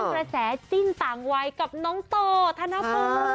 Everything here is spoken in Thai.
สร้างกระแสจิ้นต่างวัยกับน้องโตธนโภค